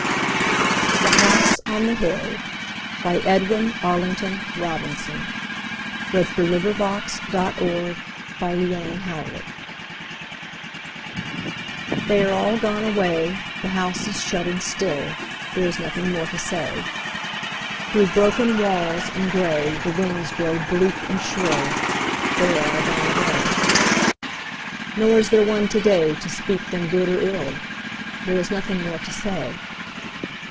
er coughed, and called it fate, And kept on drinking. Edwin Arlington Robinson The House on the Hill THEY are all gone away, The house is shut and still, There is nothing more to say. Through broken walls and gray The winds blow bleak and shrill: They are all gone away. Nor is there one today To speak them good or ill: There is nothing more to say.